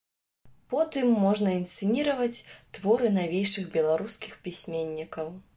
Потым можна інсцэніраваць творы навейшых беларускіх пісьменнікаў.